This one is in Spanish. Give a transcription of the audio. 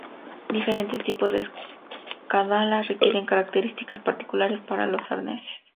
Diferentes tipos de escalada requieren características particulares para los arneses.